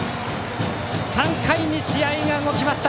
３回に試合が動きました。